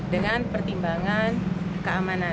dengan pertimbangan keamanan